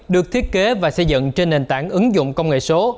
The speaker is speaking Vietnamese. được thiết kế và xây dựng trên nền tảng ứng dụng công nghệ số